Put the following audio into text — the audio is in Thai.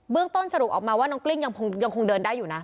ต้นสรุปออกมาว่าน้องกลิ้งยังคงเดินได้อยู่นะ